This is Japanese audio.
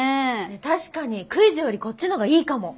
確かにクイズよりこっちのがいいかも。